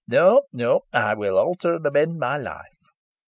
No no I will alter and amend my life."